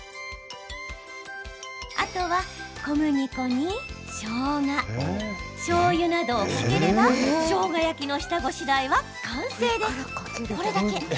あとは小麦粉にしょうがしょうゆなどをかければしょうが焼きの下ごしらえは完成です。